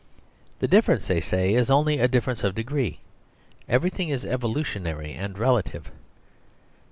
The difference, they say, is only a difference of degree; everything is evolutionary and relative.